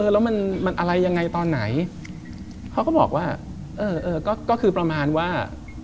แล้วมันอะไรยังไงตอนไหนเขาก็บอกว่าเออก็คือประมาณว่า